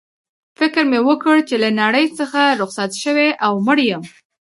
فکر مې وکړ چي له نړۍ څخه رخصت شوی او مړ یم.